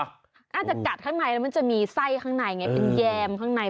อาจจะกัดข้างในแล้วมันจะมีไส้ข้างในไงเป็นแยมข้างใน